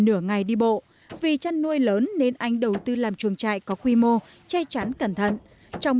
nửa ngày đi bộ vì chăn nuôi lớn nên anh đầu tư làm chuồng trại có quy mô che chắn cẩn thận trong